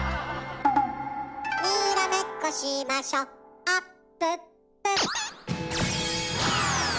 「にらめっこしましょあっぷっぷ」